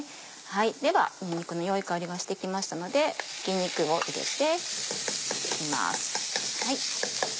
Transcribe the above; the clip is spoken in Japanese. ではにんにくの良い香りがしてきましたのでひき肉を入れていきます。